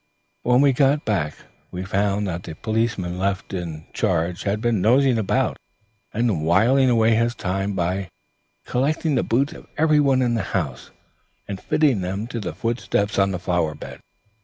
When we got back we found that the policeman left in charge had been nosing about, and whiling away his time by collecting the boots of every one in the house and fitting them to the footprints on the flower bed.